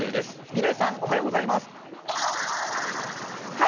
嶺さん、おはようございます。